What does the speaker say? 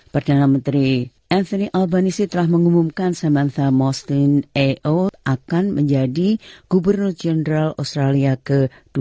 perdana menteri anthony albanese telah mengumumkan samantha mostyn eo akan menjadi gubernur general australia ke dua puluh delapan